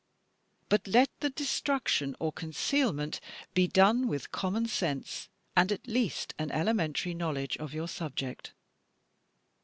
But let the destruction or concealment be done with common sense, and at least an elementary knowledge of your subject.